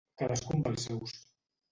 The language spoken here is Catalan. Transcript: Cadascú amb els seus.